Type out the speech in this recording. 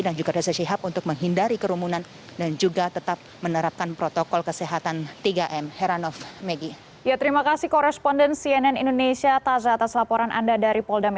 juga rizik syihab untuk menghindari kerumunan dan juga tetap menerapkan protokol kesehatan tiga mg